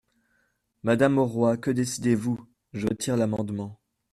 Madame Auroi, que décidez-vous ? Je retire l’amendement.